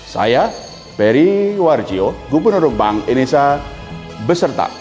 saya peri warjio gubernur bank indonesia beserta